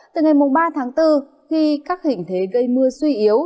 từ ngày ba tháng bốn khi các hình thế gây mưa suy yếu